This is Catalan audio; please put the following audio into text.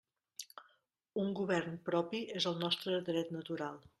Un govern propi és el nostre dret natural.